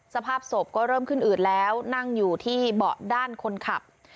สภาพศพก็เริ่มขึ้นอืดแล้วนั่งอยู่ที่เบาะด้านคนขับ